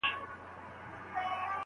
موږ د هغوی دودونو ته سپکاوی نه کوو.